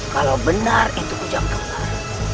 kalau benar itu ujang kembar